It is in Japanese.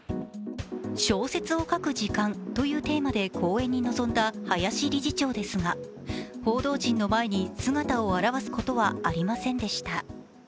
「小説を書く時間」というテーマで講演に臨んだ林理事長ですが報道陣の前に姿を現すことはありませんでした。